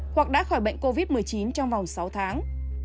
hoặc đã khỏi bệnh covid một mươi chín trong vòng sáu tháng